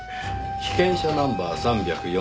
「被験者ナンバー３４６２７